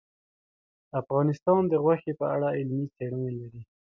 افغانستان د غوښې په اړه علمي څېړنې لري.